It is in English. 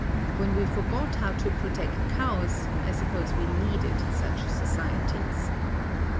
When we forgot how to protect cows, I suppose we needed such societies.